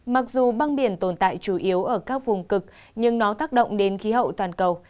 mặc dù băng biển tồn tại chủ yếu ở các vùng cực nhưng nó tác động đến khí hậu toàn cầu